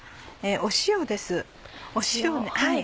塩です。